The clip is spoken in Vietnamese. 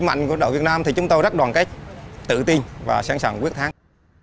mạnh của đội việt nam thì chúng tôi rất đoàn kết tự tin và sẵn sàng quyết thắng